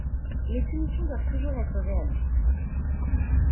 Les punitions doivent toujours être réalistes.